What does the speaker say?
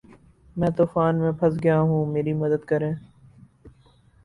میں طوفان میں پھنس گیا ہوں میری مدد کریں